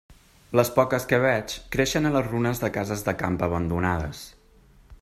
Les poques que veig creixen a les runes de cases de camp abandonades.